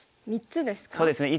３つですね。